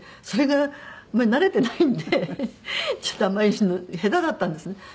それが慣れてないんでちょっとあんまり下手だったんですね。